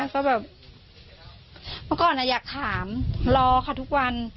ก็แบบเมื่อก่อนอยากถามรอค่ะทุกวัน